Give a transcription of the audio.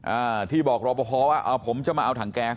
อ่าที่บอกรอปภว่าอ่าผมจะมาเอาถังแก๊ส